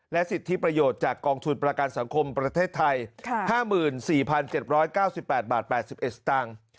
สิทธิประโยชน์จากกองทุนประกันสังคมประเทศไทย๕๔๗๙๘บาท๘๑สตางค์